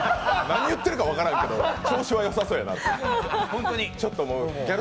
何言ってるか分からんけど、調子はよさそうだな。